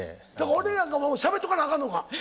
俺なんかしゃべっとかなあかんのか。